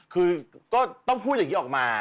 คือก็ต้องพูดอย่างนี้ออกมา